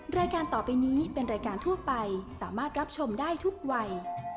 รายการต่อไปนี้เป็นรายการทั่วไปสามารถรับชมได้ทุกวัย